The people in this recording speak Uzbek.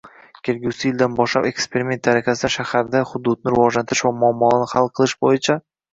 Kelgusi yildan boshlab eksperiment tariqasida shaharda hududni rivojlantirish va muammolarni hal qilish bo‘yicha